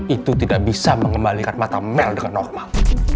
itu tidak bisa mengembalikan mata mel dengan normal